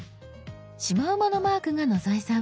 シマウマのマークが野添さん。